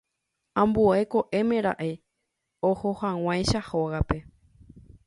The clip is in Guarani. Ambue ko'ẽme raẽ ohohag̃uáicha hógape.